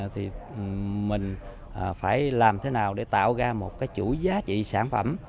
thì mình phải làm thế nào để tạo ra một chủ giá trị sản phẩm